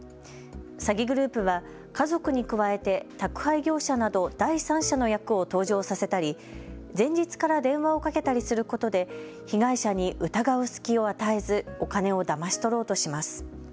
詐欺グループは家族に加えて宅配業者など第三者の役を登場させたり、前日から電話をかけたりすることで被害者に疑う隙を与えず、お金をだまし取ろうとします。